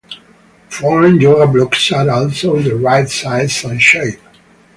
Foam yoga blocks are also the right size and shape.